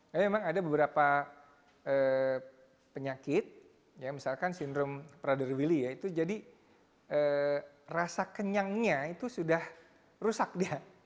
tapi memang ada beberapa penyakit ya misalkan sindrom prader willy ya itu jadi rasa kenyangnya itu sudah rusak dia